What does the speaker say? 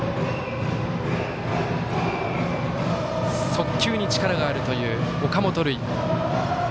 速球に力があるという岡本琉奨。